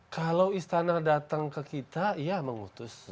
kalau istana datang ke kita ya mengutus